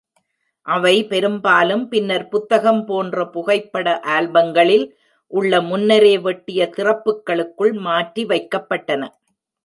அவை பெரும்பாலும் பின்னர் புத்தகம் போன்ற புகைப்பட ஆல்பங்களில் உள்ள முன்னரே வெட்டிய திறப்புக்களுக்குள் மாற்றி வைக்கப்பட்டன.